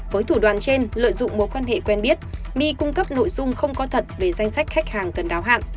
với thủ đoàn trên lợi dụng mối quan hệ quen biết my cung cấp nội dung không có thật về danh sách khách hàng cần đáo hạn